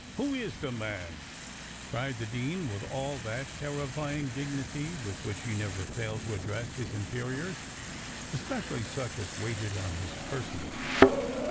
"Who is the man?" cried the dean, with all that terrifying dignity with which he never failed to address his inferiors, especially such as waited on his person.